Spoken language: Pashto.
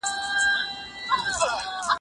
د خير په کارونو کي برخه واخلئ.